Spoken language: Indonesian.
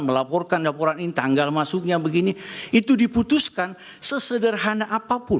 melaporkan laporan ini tanggal masuknya begini itu diputuskan sesederhana apapun